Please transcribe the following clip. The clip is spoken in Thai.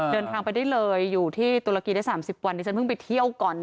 เดินทางไปได้เลยอยู่ที่ตุรกีได้๓๐วันนี้ฉันเพิ่งไปเที่ยวก่อน